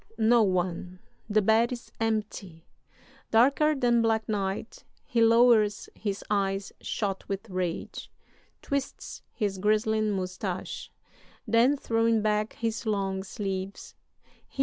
No one; the bed is empty. "Darker than black night, he lowers his eyes shot with rage, twists his grizzling mustache; then, throwing back his long sleeves, he leaves, and bolts the door.